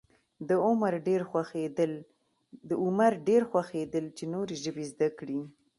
د عمر ډېر خوښېدل چې نورې ژبې زده کړي.